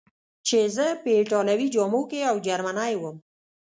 چې زه په ایټالوي جامو کې یو جرمنی ووم.